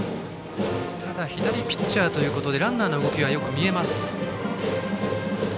ただ左ピッチャーということで、ランナーの動きが森谷、よく見えます。